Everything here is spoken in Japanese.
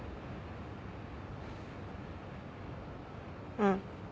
うん。